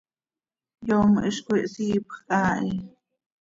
Yom hizcoi hsiipjc haa hi.